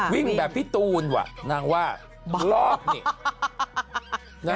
วิ่งแบบพี่ตูนว่ะนางว่ารอบนี่